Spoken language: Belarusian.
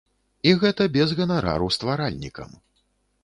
І гэта без ганарару стваральнікам.